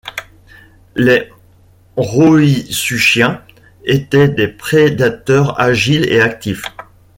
Les rauisuchiens étaient des prédateurs agiles et actifs.